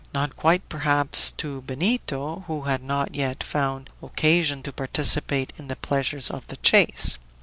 Not quite, perhaps, to Benito, who had not yet found occasion to participate in the pleasures of the chase.